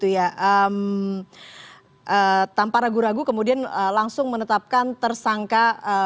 tanpa ragu ragu kemudian langsung menetapkan tersangka